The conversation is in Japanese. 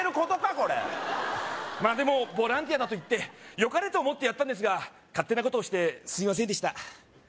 これまあでもボランティアだといってよかれと思ってやったんですが勝手なことをしてすいませんでした